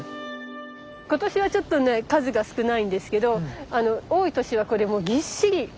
今年はちょっとね数が少ないんですけど多い年はこれもうぎっしりなって。